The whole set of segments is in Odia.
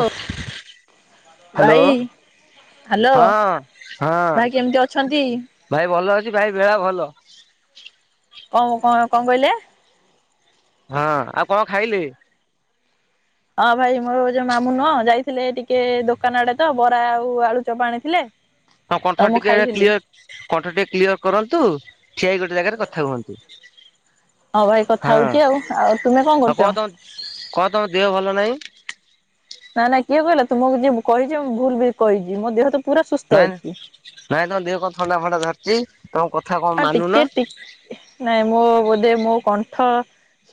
ଓ ହ୍ୟାଲୋ ଭାଇ। ହ୍ୟାଲୋ ହଁ ହଁ ଭାଇ କେମିତି ଅଛନ୍ତି? ଭାଇ ଭଲ ଅ ଭାଇ ବେଳା ଭଲ। କଣ କଣ କଣ କହିଲେ? ହଁ ଆଉ କଁ ଖାଇଲେ? ହଁ ଭାଇ ମୋର ଯୋଉ ମାମୁ ନୁହଁ ଯାଇଥିଲେ ଟିକେ ଦୋକାନ ଆଡେ ତ ବରା ଆଉ ଆଳୁ ଚପ ଆଣିଥିଲେ। ହଁ ତ କଣ୍ଠ ମୁଁ ଟିକେ ଖାଇଥିଲି କ୍ଲିୟର କଣ୍ଠ ଟିକେ କ୍ଲିୟର କରନ୍ତୁ ଠିଆ ହେଇକି ଗୋଟେ ଜାଗାରେ କଥା ହୁଅନ୍ତୁ। ଆଉ ଭାଇ କଥା ହଁ ହଉଛି ଆଉ। ଆଉ ତୁମେ କଣ ଆଉ ତମ କରୁଛ? କଣ ତମ ଦେହ ଭଲ ନାହିଁ? ନାଇଁ ନାଁଇ କିଏ କହିଲା ତୁମକୁ ଯିଏ କହିଛି ମୁଁ ଭୁଲ କହିଛି ମୋ ଦେହ ତ ପୁରା ସୁସ୍ଥ ନାଇଁ ଅଛି। ନାଇଁ ନାଇଁ ତ ଦେହ କଣ ଥଣ୍ଡା ଫଣ୍ଡା ଧରିଛି। ତମ କଥା କଣ ହଁ ମାନୁନ ଟିକେ- ଟିକ- ନାଇଁ ମୋ ବୋ ମୋ କଣ୍ଠ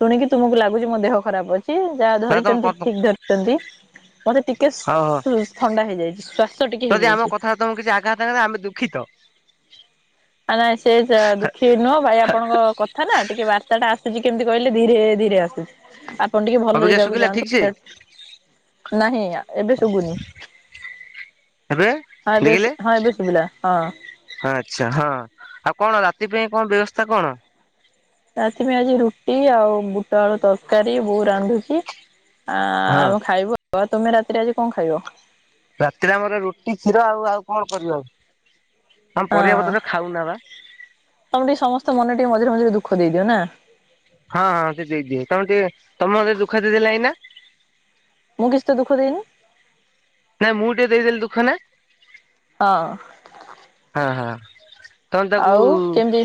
ଶୁଣିକି ତୁମକୁ ଲାଗୁଛି ମୋ ଦେହ ଖରାପ ଅଛି। ଛି। ଯାହା ନା ତମ କ ଧରିଛନ୍ତି ଠିକ ଧରିଛନ୍ତି। ମତେ ଟିକେ ହଉ ହଉ ସୁ-ସୁ-ଥଣ୍ଡା ହେଇଯାଇଛି ଶ୍ୱାସ ଟିକେ ଯଦି ଆମ ହେଇଯାଇଛି। କଥା ତମକୁ କିଛି ଆଘାତ ହେଲା [inaudible] ନାଇଁ ସେ ଦୁଃଖୀ ନୁହଁ ଭାଇ ଆପଣଙ୍କ କଥା ନା ଟିକେ ବାର୍ ବିର୍ତ୍ତା ଆସୁଛି କେମିତି କହିଲେ ଧୀରେ ଧୀରେ ଆସୁଛି। ଆପଣ ଟିକେ ଭଲ ଅବିକା ଜାଗାକୁ ଶୁଖିଲା ଠିକ ସେ ଯାଆନ୍ତୁ ନାହିଁ ଏବେ ଶୁଭୁନି ଏବେ ହଁ ଏବେ ଦେଖିଲେ ହଁ ଏବେ ଶୁଭିଲା ହଁ। ଆଚ୍ଛା ହଁ। ଆଉ କଣ ରାତି ପାଇଁ କଣ ବ୍ୟବସ୍ଥା କଣ? ରାତି ଆଜି ରୁଟି ଆଉ ବୁଟ ଆଳୁ ତରକାରୀ ବୋଉ ରାନ୍ଧୁଛି ହଁ ଆଉ ଖାଇବୁ ଆଉ ତମେ ରାତିରେ ଆଜି କଣ ଖାଇବ? ରାତିରେ ଆମର ରୁଟି କ୍ଷୀର ଆଉ ଆଉ କଣ ପରିବା ଆମ ହଁ ପତ୍ର ଖାଉନା ବା ତମେ ଟିକେ ସମସ୍ତ ମନ ଟିକେ ମଝ ମଝିରେ ମଝିରେ ଦୁଃଖ ଦେଇଦିଅ ନା? ହଁ ହଁ ସେ ଦେଇଦିଏ ତମ ଟିକେ ତମରେ ଦୁଃଖ ଦେଥିଲେ ଏଇନା ମୁଁ କିଛି ଦୁଃଖ ଦେଇନି ନାଇଁ ମୁଁ ଟିକେ ଦେଇଦେଲି ଦୁଃଖ ନା ହଁ ହଁ ହଁ। ତ ତାକୁ ଆଉ କେମିତି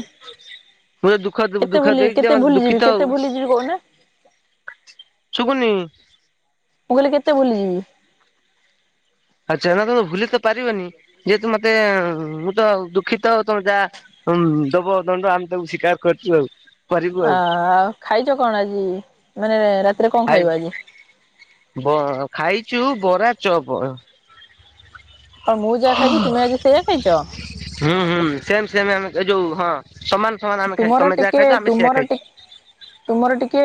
ମୁଁ ତ ଦୁଃଖ କେତେ ଦୁଃଖ ଭୁଲି ଦେଇଛି କେତେ ମ ଭୁଲିଯିବି ଦୁଃଖିତ କେତେ ଆଉ। ଭୁଲିଯିବି କହୁନା ଶୁଭୁନି। ମୁଁ କହିଲି କେତେ ଭୁଲିଯିବି? ଆଚ୍ଛା ନା ତମେ ଭୁଲି ତ ପାରିବନି ଯେହେତୁ ମତେ ମୁଁ ତ ଦୁଃଖିତ ତମେ ଯାହା ହଁ ଦବ ଦଣ୍ଡ ଆମେ ତାକୁ ଶିକାର୍ କରିଛୁ ଆଉ। କରିବୁ ଅ ଆଉ ଆଉ ଖାଇଛ କଣ ଆଜି ମାନେ ରାତିରେ କଣ ଖାଇ ଖାଇବ ଆଜି? ବ ଖାଇଛୁ ବରା ଚପ କଣ ମୁଁ ଯାହା ଖାଇଛି ତୁମେ ଆଜି ସେଇଆ ଖାଇଛ? ହୁଁ ହୁଁ ସେମ ସେମ ଆମେ ଏ ଯୋଉ ହଁ। ସମାନ ସମାନ ଆମେ ଖାଇ ତୁମର ତମେ ଯାହା ଟିକେ ଖାଇଛ ଆମେ ସେଆ ତୁମର ଖାଇଛୁ ଟେ ତୁମର ଟିକେ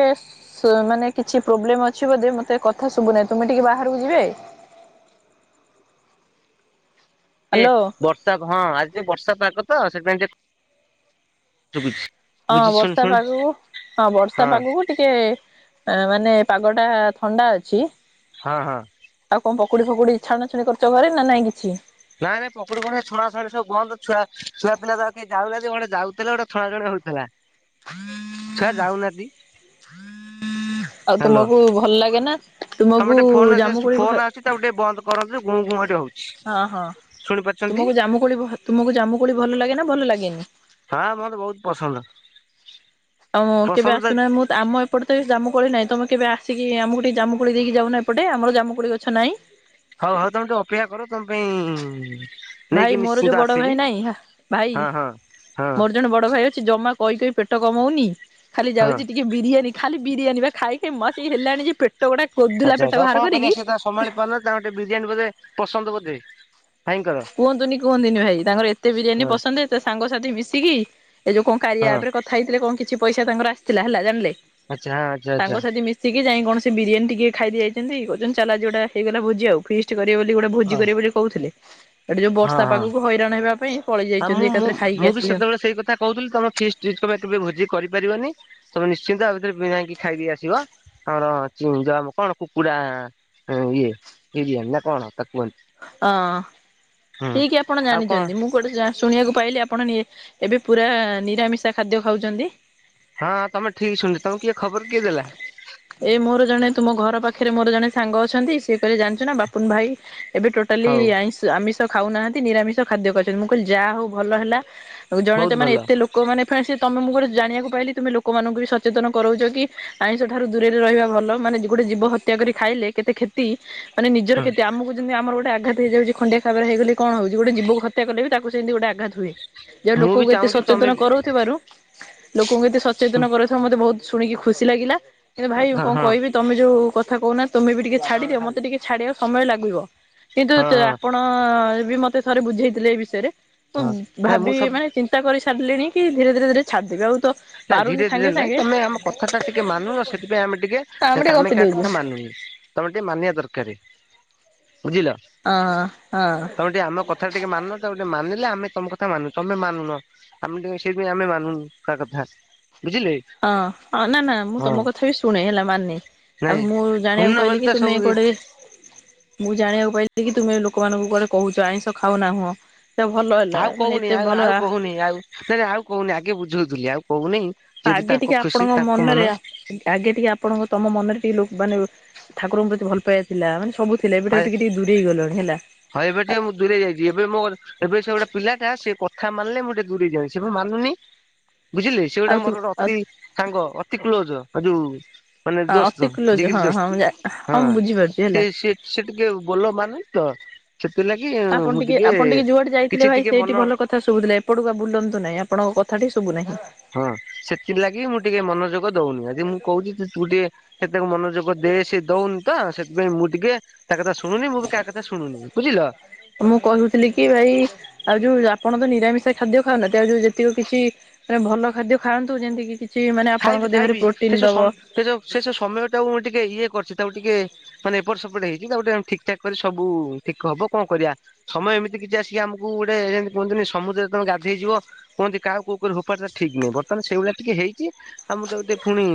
ମାନେ କିଛି ପ୍ରୋବ୍ଲେମ ଅଛି, ବୋଧେ ମତେ କଥା ଶୁଭୁନହି ତୁମେ ଟିକେ ବାହାରକୁ ଯିବେ? [inaudible] ହ୍ୟାଲୋ ବର୍ଷା ହଁ ଆଜି ଯ ବର୍ଷା ପାଗ ତ ସେପାଇଁ ଟିକେ ହଁ ବର୍ଷା ପାଗକୁ ହଁ ବର୍ଷା ପାଗକୁ ଟିକେ ମାନେ ମାନେ ପାଗ ଟା ଥଣ୍ଡା ଅଛି। ହଁ ହଁ। ଆଉ କଣ ପକୁଡି ଫକୁଡି ଛଣା ଛାଣି କରିଛ ଘରେ ନା ନାଇଁ କିଛି ନା ନା ପକୁଡି କଣ ଛଣା ଛଣ ସବୁ ବନ୍ଦ୍ ଛୁଆ ପିଲା ତ କେ ଯାଉେ ଯାଉଥିଲେ ଗୋଟେ ଛଣାଛୁଣି ଥିଲା ଛୁଆ ଯାଉନାହାନ୍ତି ଆଉ ହ୍ୟାଲୋ ତୁମକୁ ଭଲ ଲାଗେ ନା? ତୁମକୁ ତମେ ଟିକେ ଫୋନ ଜାମୁକୋଳି ଫୋନ ଆସଛି ତାକୁ ଟିକେ ବନ୍ଦ କରନ୍ତୁ ଗୁଁ ଗୁଁ ଏଠି ହେଉଛି ହଁ ହଁ ତୁମକୁ ଜାମୁ କୋଳି ତୁମକୁ ଜାମୁକୋଳି ଭଲ ଲାଗେ ନା ଭଲ ଲାଗେନି? ହଁ ମତେ ବହୁତ ପସନ୍ଦ ଆଉ କେବେ ପସନ୍ଦ ଆସୁନାହିଁ ମୁଁ ଆମ ଏପଟେ ତ ଜାମୁ କୁଳି ନାଇଁ ତମେ କେବେ ଆସିକି ଆମକୁ ଟିକେ ଜାମୁକୁଳି ଦେଇକି ଯାଉ ନାହିଁ ଏପଟେ ଆମ ଜାମୁକୁଳି ଗଛ ନାହିଁ ହଉ ହଉ ତମେ ତ ଅପେକ୍ଷା କର ତମ ପାଇଁ ନେଇକି ଭାଇ ମୋର ନିଶ୍ଚିନ୍ତ ଯୋଉ ବଡ ଆସିବି ଭାଇ ନାଇଁ ଭାଇ ହଁ ହଁ। ହଁ ମୋର ଜଣେ ବଡ ଭାଇ ଅ ଅଛି ଜମା କହି କହି ପେଟ କମଉନି ଖାଲି ହଁ ଯାଉଛି ଟିକେ ବିରିୟାନୀ ଖାଲି ବିରିୟାନୀ ବା ଖାଇ ଖାଇ ଇମା କି ହେଲାଣି ଯେ ଗୋଟା କୋଦୁଲା ଆଚ୍ଛା ଆଉ ପେଟ ବାହାର କଣ କରିବା କରିକି ସେ ତା ସମ୍ଭାଳି ପାରୁନାନ୍ତି ତାଙ୍କୁ ଟିକେ ବିରିୟାନୀ ବଧେ ପସନ୍ଦ ବୋଧେ ଭାଇଙ୍କର କୁହନ୍ତୁନି କୁହନ୍ତିନି ଭାଇ ତାଙ୍କର ଏତେ ବିରିୟାନୀ ହଁ ପସନ୍ଦତ ସାଙ୍ଗସାଥି ମିଶିକି ଏ ଯୋଉ କଣ କାରିଆ ହଁ ଉପରେ କଥା ହେଇଥିଲେ କଣ କିଛି ପଇସା ତାଙ୍କର ଆସିଥିଲା ହେଲା ଜାଣିଲେ- ଆଚ୍ଛା ହଁ ଆଚ୍ଛା ଆଚ୍ଛା ସାଙ୍ଗ ସାଥି ମିଶିକି ଯାଇ କଣ ସେ ବିରିୟାନୀ ଟିକେ ଖାଇକି ଯାଇଛନ୍ତି କହୁଛନ୍ତି ଚାଲ ଯେଉଁଟା ହେଇଗଲା ଭୋଜି ଆଉ ଫିଷ୍ଟ କରିବ ବୋଲି ଟେ ହଁ ଭୋଜି ହଁ। କରିବା ବୋଲି କହୁଛନ୍ତି। ହଁ ପାଇଁ ପଳେଇ ହଁ ଯାଇଛନ୍ତି ମୁଁ ମୁ ଏକାଥରେ ଖାଇକି ମୁଁ ବି ଆସିଲେ ଆଉ। ସେତେବେଳେ ସେଇ କଥା କହୁଥିଲି ତମେ ଆମେ କେବେ ଭୋଜି କରିପାରିବନି ତମେ ନିଶ୍ଚିନ୍ତ ଆ ଭିତରେ ବିରିୟାନୀ ଖାଇ ଦେଇକି ଆସିବ। ଆମର [unintelligible] କଣ କୁକୁଡ଼ା ହଁ ଇଏ ବିରିୟାନୀ ନା କଣ ତାକୁ କୁହନ୍ତି? ଅଁ ହୁଁ। ଠିକ ଆପଣ ଆଉ କଣ ଜାଣିଛନ୍ତି। ମୁଁ ଗୋଟେ ଶୁଣିବାକୁ ପାଇଲି ଆପଣ ନି ଏବେ ପୁରା ନିରାମିଷା ଖାଦ୍ୟ ଖାଉଛନ୍ତି। ହଁ ତମେ ଠିକ ଶୁଣିଚ ତମକୁ କିଏ ଖବର କିଏ ଦେଲା। ଏଇ ମୋର ଜଣେ ତୁମ ଘର ପାଖରେ ମୋର ଜଣେ ସାଙ୍ଗ ଅଛନ୍ତି ସିଏ କହିଲେ ଜାଣିଛୁ ନା ବାପୁନ ଭାଇ ଏବେ ଟୋଟାଲି ହଉ ଆଇଁ ଆମିଷ ଖାଉନାହାନ୍ତି ନିରାମିଷ ଖାଦ୍ୟ ଖାଉଛନ୍ତି। ମୁଁ କହିଲି ଯାହା ହଉ ଭଲ ହେଲା। ଆଉ ଜଣେ ତ ବହୁତ ମାନେ ଭଲ। ଏତେ ଲୋକ ମାନେ ଫେଣେ ସେ ତମେ ମୁଁ ଗୋଟେ ଜାଣିବାକୁ ପାଇଲି ତୁମେ ଲୋକମାନଙ୍କୁ ବି ସଚେତନ କରଉଛ କି ଆଇଷ ଠାରୁ ଦୂରରେ ରହିବା ଭଲ। ମାନେ ଗୋଟେ ଜୀବ ହତ୍ୟା କରି ଖାଇଲେ କେତେ କ୍ଷତି ମାନେ ନିଜର ହୁଁ କ୍ଷତି ଆମକୁ ଯେମିତି ଆମର ଗୋଟେ ଆଘାତ ହେଇଯାଉଛି ଖଣ୍ଡିଆ ଖାବରା ହେଇଗଲେ କଣ ହଉଚି। ଗୋଟେ ଜୀବ କୁ ହତ୍ୟା କଲେ ବି ତାକୁ ସେମତି ଗୋଟେ ଆଘାତ ହୁଏ। ଯୋଉ ମୁଁ ବି ଲୋକଙ୍କୁ ଏତେ ଚାହୁଁଛି ତମେ ସଚେତନ ବି କରାଉଥିବାରୁ ଲୋକଙ୍କୁ ଏତେ ସଚେତନ କରୁଥିବା ମତେ ବହୁତ ଶୁଣିକି ଖୁସି ଲାଗିଲା। କିନ୍ତୁ ଭାଇ ମୁଁ ହଁ କଣ ହଁ କହିବି ତମେ ଯୋଉ କ କଥା କହୁନା ତମେ ବି ଟିକେ ଛାଡିଦିଅ ମତେ ଟିକେ ଛାଡିବାକୁ ସମୟ ଲାଗିବ। ହଁ କିନ୍ତୁ ଆପଣ ମତେ ଥରେ ବୁଝେଇଥିଲେ ଏ ବିଷୟରେ, ହଁ। ମୁଁ ନାଇଁ ଭାବି ସବୁ ମାନେ ଚିନ୍ତା କରି ଛାଡ଼ିଲେଣି କି ଧୀରେ ଧୀରେ ଛାଡୁଥିବେ ଆଉ ତ ନା ପାରୁନି ଧୀରେ ସାଙ୍ଗେ ଧୀରେ ନାଇଁ ସାଙ୍ଗେ ତମେ ଆମ କଥା ଟା ଟିକେ ମାନୁନ ସେଥିପାଇଁ ଆମେ ଆମେ ଟିକେ କାମେ ଗପି କା ଦଉଛୁ କଥା ମାନୁନୁ। ତମେ ଟିକେ ମାନିବା ଦରକାର। [inaudible] ବୁଝିଲ ହଁ ହଁ। ତମ ଟିକେ ଆମ କଥା ଟିକେ ମାନ ତାକୁ ଟିକେ ମାନିଲେ ଆମେ ତମ କଥା ମାନୁ ତମେ ମାନୁନ ଆମେ ଟିକେ ସେଇଥିପାଇଁ ଆମେ ମାନୁନ କା କଥା। ବୁଝିଲେ ହଁ ହଁ ନା ନା ମୁଁ ହଁ ତମ କଥା ବି ଶୁଣେ ହେଲା ମାନେ। ଆଉ ନାଇଁ। ମୁଁ ଶୁଣୁନ ଜାଣିବାକୁ ବୋଲି ପାଇଲିି କି ତ ତୁମେ ସବୁ କୁଆଡେ ମୁଁ ଜାଣିବାକୁ ପାଇଲି କି ତୁମେ ଲୋକମାନଙ୍କୁ କୁଆଡେ କହୁଚ ଆଇଁଷ ଖାଉ ନାହଁ। ଆଉ କହୁନି ଆଉ ଆଉ କହୁନି ଆଉ ନା ନା ଆଉ କହୁନି ଆଗେ ବୁଝଉଥିଲି ଆଉ କହୁନି। ଯେହେତୁ ଆଗେ ତାଙ୍କ ଟିକେ ଖୁସି ଆପଣଙ୍କ ତାଙ୍କ ମନରେ ମନ ଆଗେ ଟିକେ ଆପଣଙ୍କ ତମ ମନରେ ଟିକେ ଲୋକ ମାନେ ଠାକୁରଙ୍କ ପ୍ରତି ଭଲ ପାଇବା ଥିଲା ମାନେ ସବୁ ଥିଲା ଏବେ ଠାରୁ ହଏ ଟିକେ ଟିକେ ଦୂରେଇ ଗଲଣି ହେଲା। ହଁ ଏବେ ଟିକେ ମୁଁ ଦୂରେଇ ଯାଇଛି ଏବେ ମୋ ଏବେ ସେ ଗୋଟେ ପିଲାଟା ସେ କଥା ମାନିଲେ ମୁଁ ଟିକେ ଦୂରେଇ ଯାନ୍ତି। ସେ ପରା ମାନୁନି। ବୁଝିଲେ ସେ ଗୋଟା ଆଉ ତୁ ମୋର ଆଉ ଅତି ସାଙ୍ଗ ଅତି କ୍ଳୋଜ ଏ ଯୋଉ ମାନେ ଦୋସ୍ତ ଅତି କ୍ଲୋଜ ଜିଗିର୍ ହଁ ଦୋସ୍ତ ହଁ ମୁଁ ହଁ ମୁଁ ବୁଝିପାରୁଛି ସେ ହେଲା। ସେ ଟିକେ ବୋଲ ମାନୁନି ତ ସେଥିଲାଗି ଆପଣ ମୁଁ ଟିକେ ଆପଣ ଟିକେ ଯୁଆଡେ କିଛି ଯାଇଥିଲେ ଭାଇ ଟିକେ ମନ ସେଇଠି ଭଲ କଥା ଶୁଭୁଥିଲା। ଏପଟକୁ ଆଉ ବୁଲନ୍ତୁ ନାଇଁ ଆପଣଙ୍କ କଥା ହଁ ସେଥିଲାଗି ମୁଁ ଟିକେ ମନୋଯୋଗ ଦଉନି। ଯଦି ମୁଁ କହୁଛି ସେସବୁ ଟିକେ ମନୋଯୋଗ ଦେ ସେ ଦଉନି ତ ସେଥିପାଇଁ ମୁଁ ଟିକେ ତା କଥା ଶୁଣୁନି ମୁଁ ବି କାହା କଥା ଶୁଣୁନି ବୁଝିଲ। ମୁଁ କହୁଥିଲି କି ଭାଇ ଆଉ ଯୋଉ ଆପଣ ତ ନିରାମିଷା ଖାଦ୍ୟ ଖାଉନାହାନ୍ତି ଆଉ ଯୋଉ ଯେତିକି କିଛି ମାନେ ଭଲ ଖାଦ୍ୟ ଖାନ୍ତୁ ଯେମିତିକି କି କିଛି ମାନେ ଆପଣଙ୍କ ଖାଇବି ଦେହରେ ଖାଇବି ପ୍ରୋଟିନ ସେ ଯୋଉ ଦବ। ସ ସେ ଯୋଉ ସମୟ ଟାକୁ ମୁଁ ଟିକେ ଇଏ କରିଚି। ତାକୁ ଟିକେ ମାନେ ଏପଟ ସେପଟ ହେଇଛି ତାକୁ ଟିକେ ଠିକ୍ ଠାକ କରି ସବୁ ଠିକ ହବ କଣ କରିବା ସମୟ ଏମିତି କିଛି ଆସିକି ଆମକୁ ଗୋଟେ ଯେମିତି କୁହନ୍ତିନି ସମୁଦ୍ରରେ ତମେ ଗାଧେଇଯିବ କୁହନ୍ତି କାହାକୁ କୋଉ ଉପରେ ଫୋପାଡ଼ି ଦବ ଠିକ୍ ନାହିଁ। ବର୍ତ୍ତମାନ [unintelligible] ସେଇଭଳିଆ ଟିକେ ହେଇଚି। ଆମର ଟେ ଟିକେ ପୁଣି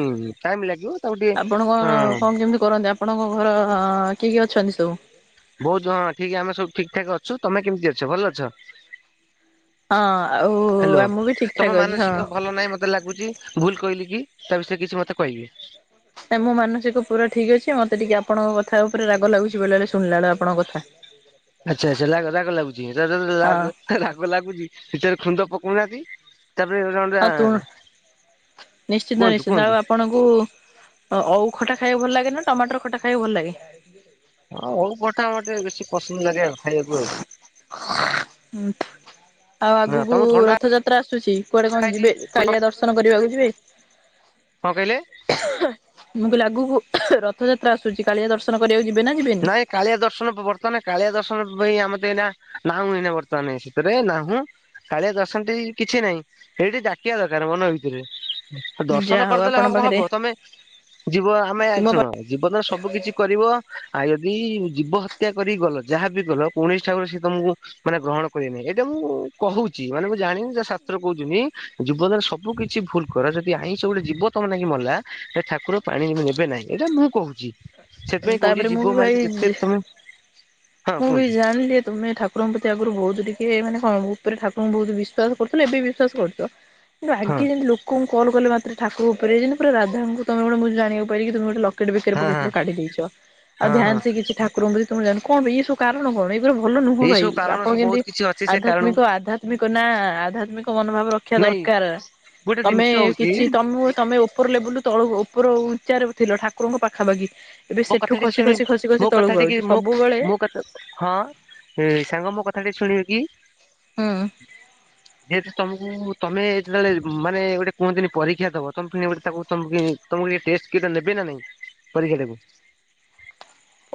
ଟାଇମ ଲାଗିବ ତାକୁ ଟିକେ ଆପଣଙ୍କ କଣ ହଁ କଣ କେମିତି କରନ୍ତି ଆପଣଙ୍କ ଘର କିଏ କିଏ ଅଛନ୍ତି ସବୁ? ବହୁତ ହଁ ଠିକ ଆମେ ସବୁ ଠିକ ଠାକ ଅଛୁ ତମେ କେମିତି ଅଛ ଭଲ ଅଛ। [inaudible] ହ୍ୟାଲୋ ଆ ମୁଁ ବି ଠିକ ଠାକ ତମ ଅଛି ହଁ। ମାନସିକ ଭଲ ନାହିଁ ମତେ ଲାଗୁଛି। ଭୁଲ କହିଲି କି? ତା ବିଷୟରେ କିଛି ମତେ କହିବେ। ନା ମୋ ମାନସିକ ପୁରା ଠିକ ଅଛି ମତେ ଟିକେ ଆପଣଙ୍କ କଥା ଉପରେ ରାଗ ଲାଗୁଛି ବେଳେ ବଳେ ଶୁଣିଲା ବେଳୁ ଆପଣଙ୍କ କଥା। ଆଚ୍ଛା ଆଚ୍ଛା ରା ରାଗ ଲାଗୁଛି ରା ରା ହଁ ରାଗ ଲାଗୁଛି ଦି ଚାରି ଖୁନ୍ଦ ପକଉ ନାହାଁନ୍ତି। ତାପରେ ଆଉ ତୁ ନିଶ୍ଚିନ୍ତ କୁହନ୍ତୁ ନିଶ୍ଚିନ୍ତ କୁହନ୍ତୁ ଆଉ ଆପଣଙ୍କୁ ଓଉ ଖଟା ଖାଇବାକୁ ଭଲ ଲାଗେ ନା ଟମାଟର ଖଟା ଖାଇବାକୁ ଭଲ ଲାଗେ। ହଁ ଅଉ ଖଟା ଗୋଟେ ବେଶୀ ପସନ୍ଦ ଲାଗେ ଆଉ ଖାଇବାକୁ ଆଉ। ହୁଁ। ଆଉ ହଁ ଆଗକୁ ତମକୁ ଥଣ୍ଡା ରଥଯାତ୍ରା ଆସୁଚି କୁଆଡେ କଣ ହେଇଛି ଯିବେ କାଳିଆ ଦର୍ଶନ କରିବାକୁ ଯିବେ? କଁ କହିଲେ? ମୁଁ କହିଲି ଆଗୁକୁ ରଥଯାତ୍ରା ଆସୁଚି କାଳିଆ ଦର୍ଶନ କରିବାକୁଯି ନାଇଁ କାଳିଆ ଦର୍ଶନ ବର୍ତ୍ତମାନେ କାଳିଆ ଦର୍ଶନ ଭ ଆମ ତ ଏଇ ନାହୁଁ ଏନା ବର୍ତ୍ତମାନ ଶତରେ ନାହୁଁ କାଳିଆ ଦର୍ଶନଟି କିଛି ନାହିଁ। ଏଇଠି ଡାକିବା ଦରକାର ମନ ଭିତରେ ଦର୍ଶନ ଯାହା ହଉ କରିଦେଲେ ହବ ଆପଣଙ୍କ କଣ ପାଖରେ ହବ ତମେ ଯିବ ଆମେ ତୁମ ଅଛୁ ପା ଜୀବନ ସବୁ କିିଛି କରିବ ଆଉ ଯଦି ଜୀବ ହତ୍ୟା କରି ଗଲ ଯାହା ବିି ଗଲ କୌଣସି ଠାକୁ ରେ ସେ ତମକୁ ମାନେ ଗ୍ରହଣ କରିନାହିଁ ଏଇଟା ମୁଁ କହୁଛି ମାନେ ମୁଁ ଜାଣିନି ଯ ଶାସ୍ତ୍ର କହୁଚୁନି ଜୀବନରେ ସବୁ କିଛି ଭୁଲ କର ଯଦି ଆଇଁଷ ଗୋଟେ ଯିବ ତମ ନାକି ମଲା ଠାକୁର ପାଣି ନେବେ ନାହିଁ ଏଇଟା ମୁଁ କହୁଛି। ସେଥିପାଇଁ କହୁଚି ତାପରେ ମୁଁ ବି ଜୀବ ମାରିକି ଭାଇ ଯେତେ ତମେ ହଁ ମୁଁ ବି କୁହନ୍ତୁ ଜାଣିଲି ତୁମେ ଠାକୁରଙ୍କ ପ୍ରତି ଆଗରୁ ବହୁତ ସିଏ ମାନେ ହଁ ଉପରେ ଠାକୁଙ୍କୁ ବହୁତ ବିଶ୍ଵାସ କରୁ ଏବେ ବିଶ୍ୱାସ କରୁଚ? କିନ୍ତୁ ଆଗେ ହଁ ଯେମିତି ଲୋକ କଲ କଲେ ମାତ୍ରେ ଠାକୁର ଉପରେ ହେଇଛନ୍ତି ପୁରା ରାଧାଙ୍କୁ ତମେ ଗୋଟେ ଜାଣିବାକୁ ପାଇଲି କି ତମେ ଗୋଟେ ଲ କେଟ ବେକରେ ହଁ ହଁ ପକେଇଥିଲ କାଢି ଦେଇଛ ଆଉ ହଁ ଧ୍ୟାନ ହଁ ସେ କିଛି ଠାକୁରଙ୍କୁ ତମ ଜା କଣ ଏଇବୁ କାରଣ କଣ ଏ ଭଲ ନୁହଁ ଏଇ ଭାଇ ସବୁ କାରଣ ଆପଣ ସବୁ କେମିତି ବହୁତ କିଛି ଅଛି ସେ କାରଣ ଆଧ୍ୟାତ୍ମିକ ଆଧ୍ୟାତ୍ମିକ ନା ଆଧ୍ୟାତ୍ମିକ ମନୋଭାବ ରକ୍ଷା ନାଇଁ। ଗୋଟେ ତମେ ଜିନିଷ ହଉଛି କିଛି ତମ ତମେ ଉପର ଲେବୁଲ ତଳ ଉପରୁ ଉଚ୍ଚାରେ ଥିଲ ଠାକୁରଙ୍କ ପାଖାପାଖି ଏବେ ମୋ ସେଠୁ କଥାଟି ଖସି ଶୁଣି ଖସି ଖସି ମୋ ଖସି ତଳକୁ କଥାଟିକି ଆଉଛି ମୋ ସବୁବେଳେ ମୋ ହଁ ସାଙ୍ଗ ମୋ କଥା ଟିକେ ଶୁଣିବି କି? ହୁଁ। ଯେହେତୁ ତମକୁ ତମେ ଯେତେବେଳେ ମାନେ ଗୋଟେ କୁହନ୍ତିନି ପରୀକ୍ଷା ଦବ ତମେ ତା ତମ ଟେଷ୍ଟ କରିକି ନେବେ ନା। ନାଇଁ ପରୀକ୍ଷାଦେବୁ।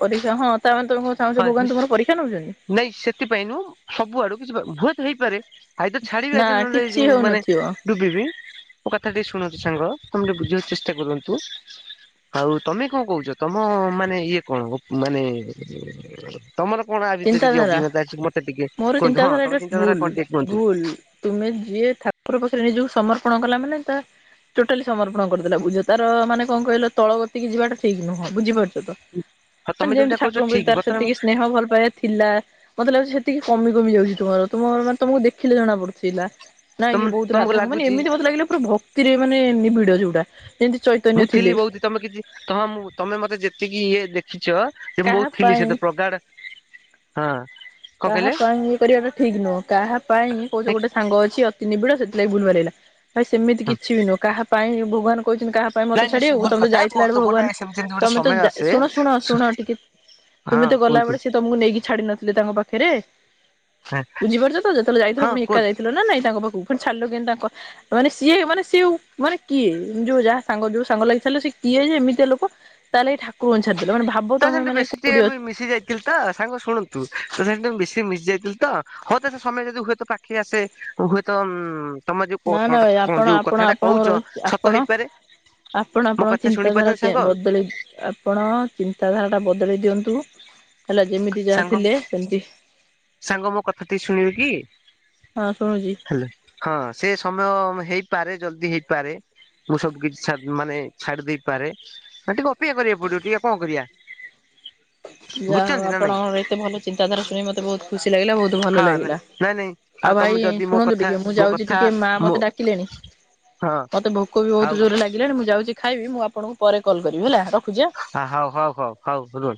ଓଡ଼ିଶା ହଁ ତାମାନେ ତମେ କଣ ଚାହୁଁଛ ହଁ ଭଗବାନ ତୁମର ପରୀକ୍ଷା ନଉଛନ୍ତି ନାଇଁ ସେଥିପାଇଁ ନୁହଁ ସବୁଆଡୁ କିଛି ହୁଏ ତ ହେଇପାରେ। ଆାଇ ତ ଛାଡିବି ନା ଏଦିନଲେ କିଛି ଯ ମାନେ ହଉନଥିବ। ଡୁବିବି ମୋ କଥା ଟିକେ ଶୁଣ ସାଙ୍ଗ ତମେ ବୁଝିବାକୁ ଚେଷ୍ଟା କରନ୍ତୁ। ହଉ ତମେ କଣ କହୁଚ ତମ ମାନେ ଇଏ କଣ ମାନେ ତମର କଣ ଆ ଭିତରେ କିଛି ଚିନ୍ତାଧାରା ଅଭିଜ୍ଞତା ଅଛି ମତେ ଟିକେ ମୋର କୁହନ୍ତୁ ହଁ ଚିନ୍ତାଧାରା ଏଟା ତମ ଚିନ୍ତାଧାରା ଭୁଲ କଣ ଟିକେ କୁହନ୍ତୁ। ଭୁଲ। ତୁମେ ଯିଏ ଠାକୁର ପାଖରେ ନିଜକୁ ସମର୍ପଣ କଲା ମାନେ ତା ଟୋଟାଲି ସମର୍ପଣ କରିଦେଲା ବୁଝ ତ ମାନେ କଣ କହିଲ ତଳ ଗତିକି ଯିବାଟ ଠିକ ନୁହେଁ ବୁଝିପାରୁ ହଁ ମାନେ ତମେ ଯେମିତି ଯୋଉଟା କହୁଛ ଠାକୁରଙ୍କ ପ୍ରତି ଠିକ୍ ତାର ବର୍ତ୍ତମାନ ସେତିକି ସ୍ନେହ, ଭଲ ପାଇବା ଥିଲା। ମତେ ଲାଗୁଛି ସେତିକି କମି କମି ଯାଉଛି ତମର ତୁମର ମାନେ ତମକୁ ଦେଖିଲେ ଜଣା ପଡୁଥିଲା। ନାଇଁ ତମ ଇଏ ବହୁତ ତମକୁ ରାଧାଙ୍କ ମାନେ ଲାଗୁଛି ଏମିତି ମତ ଲାଗିଲା ଭକ୍ତିରେ ମାନେ ନିବିଡ ଯୋଉଟା। ଯେମିତି ଚୈତନ୍ୟ ମୁଁ ଥିଲେ ଥିଲି ବଉତ ତମେ କିଛି ତମ ମୁ ତମେ ମତେ ଯେତିକି ଇଏ ଦେଖିଛ ସେ ମୁଁ କାହା ବହୁତ ଥିଲି ପାଇଁ ସେତ ପ୍ରଗାଢ ହଁ। କଣ କାହା କହିଲେ? ପାଇଁ ଇଏ କରିବାଟା ଠିକ ନୁହଁ କାହା ପାଇଁ କୋଉ ନାଇଁ ଗୋଟେ ସାଙ୍ଗ ଅଛି ଅତି ନିବିଡ ସେ ଲାଇ ବୁଲବାଡେଇଲା। ଭାଇ ସେମିତି କିଛି ବି ନୁହଁ କାହା ପାଇଁ ଭଗବାନ କହିଛନ୍ତି କାହା ପାଇଁ ମତେ ନାଇଁ ସେ ଛାଡିବାକୁ ଭୁଲ ତମେ ତ କଥା ଯାଇଥିଲା ବହୁତ ଆଣିବାକୁ ଗୋଟେ ଭଗବାନ ସେମିତି ଏମିତି ତ ଗୋଟେ ତମେ ତ ସମୟ ଆସେ ଶୁଣ ଶୁଣ ଶୁଣ ଟିକେ ହଁ ତୁମେ ତ ଗଲା କୁହନ୍ତୁ ବେଳେ ସେ ତମକୁ ନେଇକି ଛାଡି ନଥିଲେ ତାଙ୍କ ପାଖରେ ପାଖରେ ବୁଝିପାରୁଛ ତ ଯେତେବେଳେ ଯାଇଥିଲ ହଁ ପୁଣି ଏକା କୁହନ୍ତୁ ଯାଇଥିଲ ନା ନାଇଁ ତାଙ୍କ ପାଖକୁ ଉପ ଛାଡ଼ିଲୁ କିନ୍ତୁ ତାଙ୍କ ମାନେ ସିଏ ମାନେ ସିଉ ମାନେ କିଏ ଯୋଉ ଯାହା ସାଙ୍ଗ ଯୋଉ ସାଙ୍ଗ ଲାଗି ସିଏ କିଏ ଯେ ଏମିତି ଲୋକ ତାହେଲେ ଠାକୁରଙ୍କୁ ଛାଡି ତ ସେମିତି ବେଶୀ ଟିକେ ଆ ମିଶି ଯାଇଥିଲି ତ ସାଙ୍ଗ ଶୁଣନ୍ତୁ ତ ସେମିତି ମିଶି ଯାଇଥିଲ ତ ହଉ ତ ସେ ସମୟରେ ଯଦି ହୁଏତ ପାଖି ଆସେ ହୁଏତ ଉ ତମେ ନା ନା ଭାଇ ଯୋଉ ଆପଣ ଯୋଉ ଆପଣ କଥାଟା ଆପଣଙ୍କର କହୁଛ ଆପଣ ସତ ହେଇପାରେ। ଆପଣ ମୋ ଆପଣଙ୍କ କଥା ଶୁଣି ପାରୁଛନ୍ତି ଚିନ୍ତାଧାରା ସାଙ୍ଗ ବଦଳି ଆପଣ ଚିନ୍ତାଧାରା ଟା ବଦଳେଇ ଦିଅନ୍ତୁ ହେଲା ଯେମିତି ଯାହା ସାଙ୍ଗ ଥିଲେ ସେମିତି। ସାଙ୍ଗ ମୋ କଥା ଟି ଶୁଣିବେ କି? ହଁ ଶୁଣୁଛି। ହଲୋ ହଁ ସେ ସମୟ ମ ହେଇ ପାରେ ଜଲଦି ହେଇପାରେ ମୁଁ ସବୁ କିଛି ଛାଡ ମାନେ ଛାଡି ଦେଇପାରେ ଆଁ ଟିକେ ଅ ଅପେକ୍ଷା କରିବାକୁ ପଡିବ ଟିକେ ଆଉ କଣ କରିବା? ଯାହା ହଉ ବୁଝୁଛନ୍ତି ନା ନାଇଁ ଆପଣଙ୍କର ଏତେ ଭଲ ଚିନ୍ତାଧାରା ଶୁଣି ମତେ ବହୁତ ଖୁସି ଲାଗିଲା ବହୁତ ଭଲ ହଁ ଲାଗିଲା ନାଇଁ ନାଇଁ ଆଉ ଭାଇ ତମେ ଯଦି ମୋ ଶୁଣନ୍ତୁ କଥା ଟିକେ ମୁଁ ମୋ ଯାଉଛି କଥା ଟିକେ ମା ମୋ ମତେ ଡାକିଲେଣି। ହଁ ମତେ ଭୋକ ବି ବହୁତ ହଉ ଜୋରରେ ଲାଗିଲାଣି ମୁଁ ଯାଉଛି ଖାଇବି ମୁଁ ଆପଣଙ୍କୁ ପରେ କଲ୍ କରିବି ହେଲା ର ହ ହଉ ହଉ ହଉ ହଉ ରୁହ।